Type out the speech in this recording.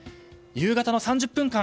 夕方の３０分間